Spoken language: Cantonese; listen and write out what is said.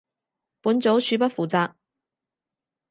本組恕不負責